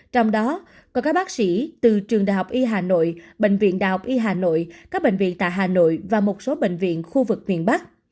trong đó có các bác sĩ từ trường đh y hà nội bệnh viện đh y hà nội các bệnh viện tại hà nội và một số bệnh viện khu vực miền bắc